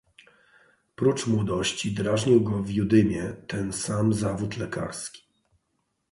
"Prócz młodości drażnił go w Judymie ten sam zawód lekarski."